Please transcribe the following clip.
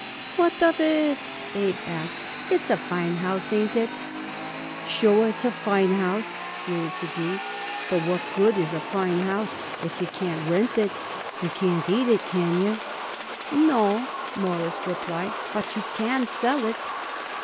"What of it?" Abe asked. "It's a fine house, ain't it?" "Sure, it's a fine house," Louis agreed. "But what good is a fine house if you can't rent it? You can't eat it, can you?" "No," Morris replied, "but you can sell it."